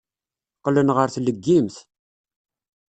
Qqlen ɣer tleggimt.